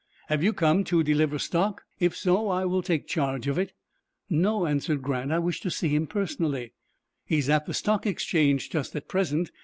"Have you come to deliver stock? If so, I will take charge of it." "No," answered Grant; "I wish to see him personally." "He is at the Stock Exchange just at present.